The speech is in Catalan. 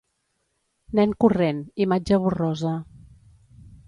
Nen corrent, imatge borrosa.